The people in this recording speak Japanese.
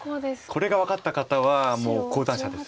これが分かった方はもう高段者です。